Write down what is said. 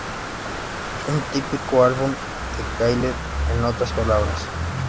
Un típico álbum de Kylie, en otras palabras.